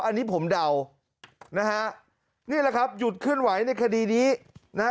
อันนี้ผมเดานะฮะนี่แหละครับหยุดเคลื่อนไหวในคดีนี้นะฮะ